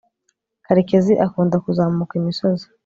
karekezi akunda kuzamuka imisozi